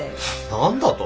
何だと？